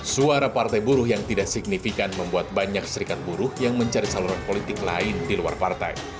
suara partai buruh yang tidak signifikan membuat banyak serikat buruh yang mencari saluran politik lain di luar partai